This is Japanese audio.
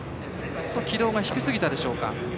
軌道が低すぎたでしょうか。